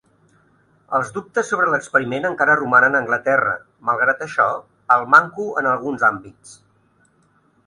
Els dubtes sobre l'experiment encara romanen a Anglaterra, malgrat això, al manco en alguns àmbits.